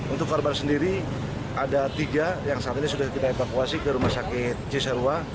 untuk korban sendiri ada tiga yang saat ini sudah kita evakuasi ke rumah sakit cisarua